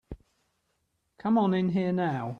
Come on in here now.